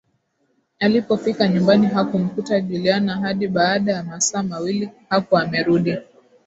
Alipofika nyumbani hakumkuta Juliana hadi baada ya masaa mawili hakuwa amerudi